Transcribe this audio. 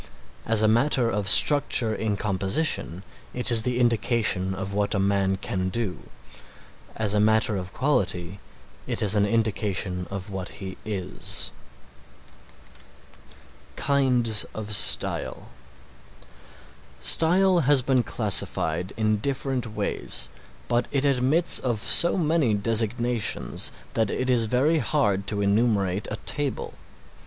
As a matter of structure in composition it is the indication of what a man can do; as a matter of quality it is an indication of what he is. KINDS OF STYLE Style has been classified in different ways, but it admits of so many designations that it is very hard to enumerate a table.